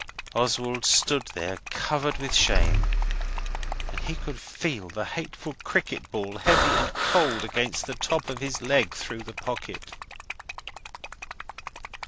Oswald stood there covered with shame, and he could feel the hateful cricket ball heavy and cold against the top of his leg, through the pocket.